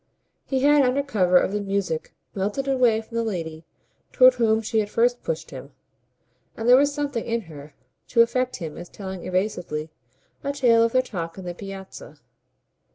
He had under cover of the music melted away from the lady toward whom she had first pushed him; and there was something in her to affect him as telling evasively a tale of their talk in the Piazza.